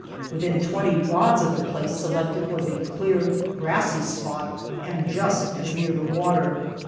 Within t^^enty rods of the place selected was a clear, grassy spot ■ and just as near the water.